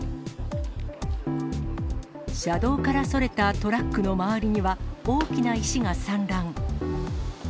車道からそれたトラックの周りには、大きな石が散乱。